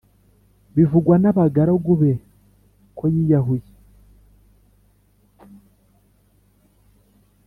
bivugwa n abagaragu be koyiyahuye